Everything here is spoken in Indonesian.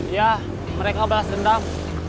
iya mereka balas dendam